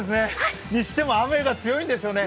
にしても雨が強いんですよね。